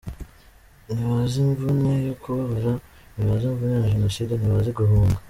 Ntibazi imvune yo kubabara, ntibazi imvune ya Jenoside, ntibazi guhunga.